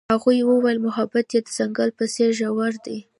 هغې وویل محبت یې د ځنګل په څېر ژور دی.